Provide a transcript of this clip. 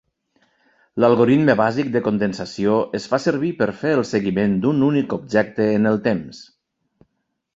L'algoritme bàsic de condensació es fa servir per fer el seguiment d'un únic objecte en el temps